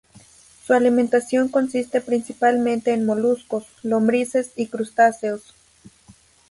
Su alimentación consiste principalmente en moluscos, lombrices, y crustáceos.